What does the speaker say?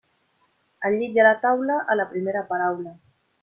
Al llit i a la taula, a la primera paraula.